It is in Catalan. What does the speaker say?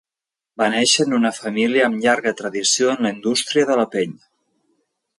Va néixer en una família amb llarga tradició en la indústria de la pell.